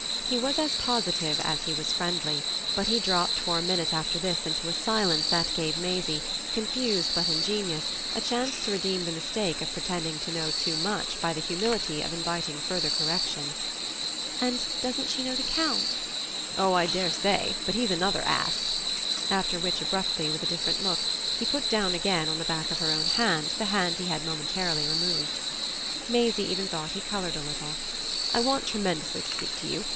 He was as positive as he was friendly, but he dropped for a minute after this into a silence that gave Maisie, confused but ingenious, a chance to redeem the mistake of pretending to know too much by the humility of inviting further correction. "And doesn't she know the Count?" "Oh I dare say! But he's another ass." After which abruptly, with a different look, he put down again on the back of her own the hand he had momentarily removed. Maisie even thought he coloured a little. "I want tremendously to speak to you.